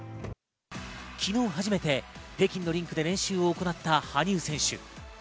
昨日、初めて北京のリンクで練習を行った羽生選手。